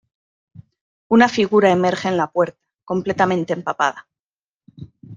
Una figura emerge en la puerta, completamente empapada.